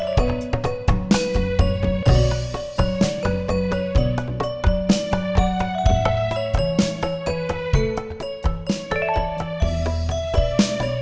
kamu kerja pemain hape